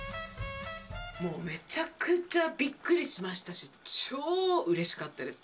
もうめちゃくちゃびっくりしましたし、超うれしかったです。